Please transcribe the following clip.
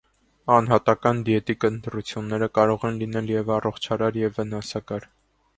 Անհատական դիետիկ ընտրությունները կարող են լինել և՛ առողջարար, և՛ վնասակար։